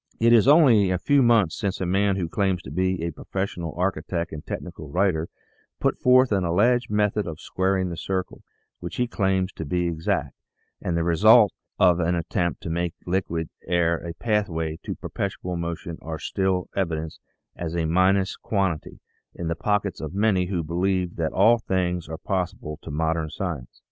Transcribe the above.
It is only a few months since a man who claims to be a professional architect and techni cal writer put forth an alleged method of "squaring the circle," which he claims to be " exact "; and the results of an attempt to make liquid air a pathway to perpetual motion are still in evidence, as a minus quantity, in the pockets of many who believed that all things are pos sible to modern science.